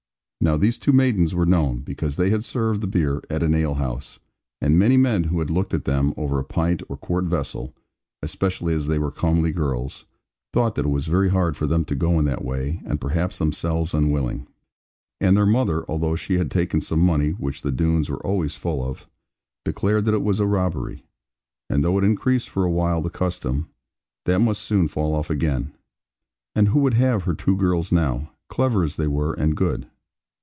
Now these two maidens were known, because they had served the beer at an ale house; and many men who had looked at them, over a pint or quart vessel (especially as they were comely girls), thought that it was very hard for them to go in that way, and perhaps themselves unwilling. And their mother (although she had taken some money, which the Doones were always full of) declared that it was a robbery; and though it increased for a while the custom, that must soon fall off again. And who would have her two girls now, clever as they were and good?